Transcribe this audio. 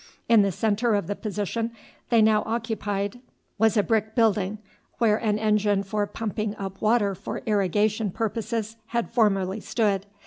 In the centre of the position they now occupied was a brick building, where an engine for pumping up water for irrigation purposes had formerly stood.